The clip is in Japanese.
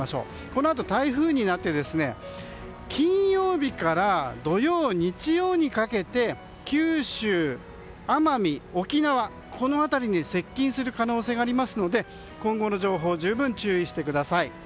このあと台風になって金曜日から土曜、日曜にかけて九州、奄美、沖縄この辺りに接近する可能性がありますので今後の情報十分注意してください。